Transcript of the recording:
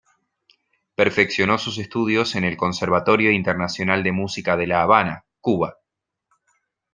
Perfeccionó sus estudios en el Conservatorio Internacional de Música de La Habana, Cuba.